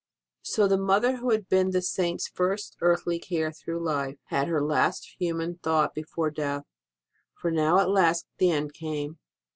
So the mother who had been the Saint s first earthly care through life had her last human HOW ROSE OF ST. MARY DIED 179 thought before death ; for now at last the end came.